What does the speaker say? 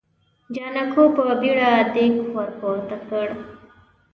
جانکو په بيړه دېګ ور پورته کړ.